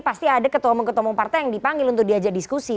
pasti ada ketomong ketomong partai yang dipanggil untuk diajak diskusi